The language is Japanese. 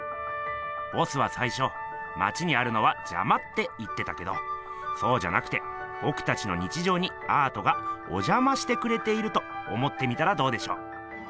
ボスは最初まちにあるのはじゃまって言ってたけどそうじゃなくてぼくたちの日常にアートがおじゃましてくれていると思ってみたらどうでしょう？